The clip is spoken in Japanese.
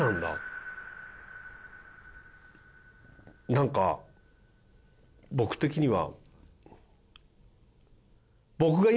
なんか僕的には。